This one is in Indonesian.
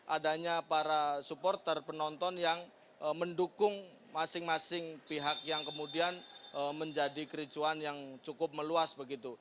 adanya para supporter penonton yang mendukung masing masing pihak yang kemudian menjadi kericuan yang cukup meluas begitu